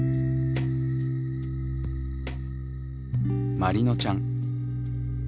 まりのちゃん。